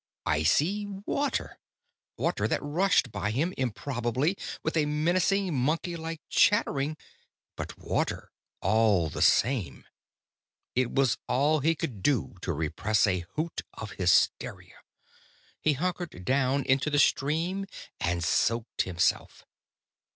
Icy water. Water that rushed by him improbably with a menacing, monkeylike chattering, but water all the same. It was all he could do to repress a hoot of hysteria. He hunkered down into the stream and soaked himself.